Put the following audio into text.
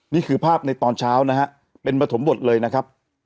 นี่คือภาพในตอนเช้านะฮะเป็นปฐมบทเลยนะครับ